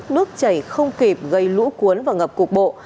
nước chảy không kịp gây lũ cuốn và ngập cục bộ